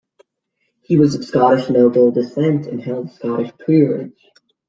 He was of Scottish noble descent, and held a Scottish peerage.